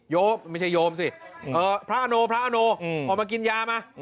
โยมไม่ใช่โยมสิพระอโนพระอโนออกมากินยามา